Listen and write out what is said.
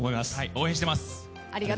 応援してます！